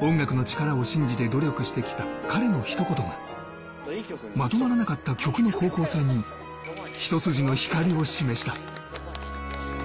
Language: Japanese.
音楽の力を信じて努力してきた彼のひと言が、まとまらなかった曲の方向性に一筋の光を示した。